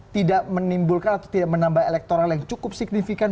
tidak menimbulkan atau tidak menambah elektoral yang cukup signifikan